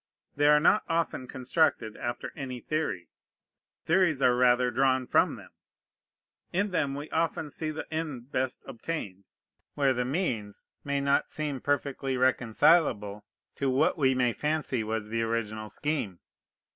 They are not often constructed after any theory: theories are rather drawn from them. In them we often see the end best obtained, where the means seem not perfectly reconcilable to what we may fancy was the original scheme.